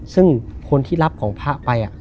ซึ่งคนที่รับของผ้าไปอะ